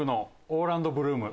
オーランド・ブルーム！？